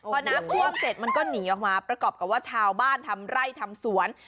พอน้ำท่วมเสร็จมันก็หนีออกมาประกอบกับว่าชาวบ้านทำไร่ทำสวน